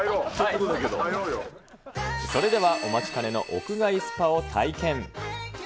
それではお待ちかねの屋外スパを体験。